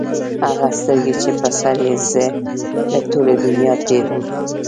هغه سترګي چې په سر یې زه له ټولي دنیا تېر وم